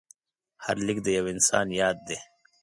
هر لیک د یو انسان یاد دی.